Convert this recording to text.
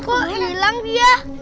kok hilang dia